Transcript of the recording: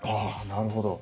あなるほど。